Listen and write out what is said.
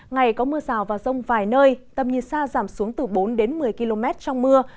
ngày có mưa rào và rông vài nơi tầm nhiệt sa giảm xuống từ bốn một mươi km trong mưa